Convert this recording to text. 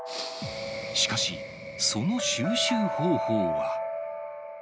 しかし、その収集方法は。